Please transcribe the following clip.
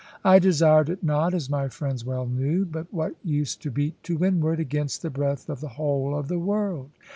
I desired it not, as my friends well knew; but what use to beat to windward, against the breath of the whole of the world?